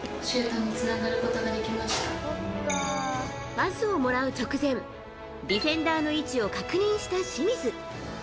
パスをもらう直前ディフェンダーの位置を確認した清水。